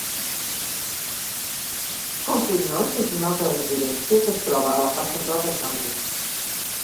Conklin North és una altra residència que es troba a la part central de campus.